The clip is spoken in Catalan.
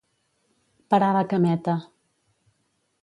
Parar la cameta.